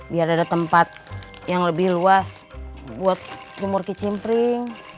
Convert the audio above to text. biar ada tempat yang lebih luas buat jemur kicimpring